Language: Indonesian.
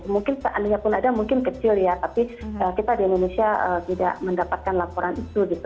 mungkin seandainya pun ada mungkin kecil ya tapi kita di indonesia tidak mendapatkan laporan itu gitu